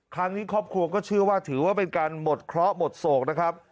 ครอบครัวก็เชื่อว่าถือว่าเป็นการหมดเคราะห์หมดโศกนะครับ